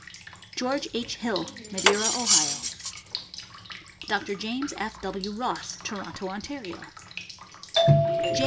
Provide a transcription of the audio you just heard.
George H. Hill, Madeira, Ohio; Dr. James F. W. Ross, Toronto, Ontario; J.